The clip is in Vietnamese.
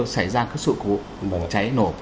xảy ra các sự cố cháy nổ